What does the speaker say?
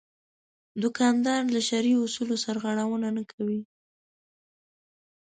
دوکاندار له شرعي اصولو سرغړونه نه کوي.